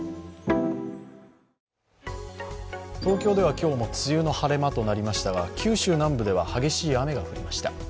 東京では今日も梅雨の晴れ間となりましたが、九州南部では激しい雨が降りました。